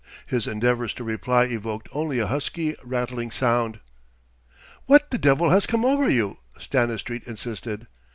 His endeavours to reply evoked only a husky, rattling sound. "What the devil has come over you?" Stanistreet insisted.